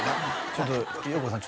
ちょっとよう子さん